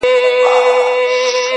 پر مردارو وي راټول پر لویو لارو٫